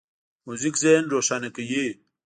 موزیک ذهن روښانه کوي.